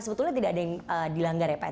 sebetulnya tidak ada yang dilanggar ya pak